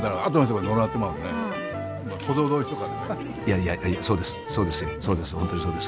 いやいやそうです